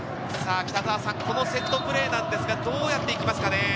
このセットプレーなんですが、どう打っていきますか？